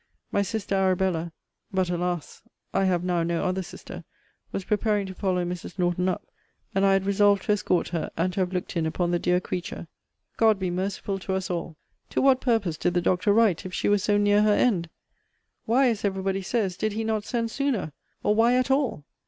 My sister Arabella (but, alas! I have now no other sister) was preparing to follow Mrs. Norton up, and I had resolved to escort her, and to have looked in upon the dear creature. God be merciful to us all! To what purpose did the doctor write, if she was so near her end? Why, as every body says, did he not send sooner? Or, Why at all?